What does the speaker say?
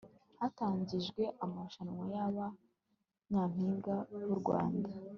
hatangijwe amarushanwa ya ba nyampinga b'u rwanda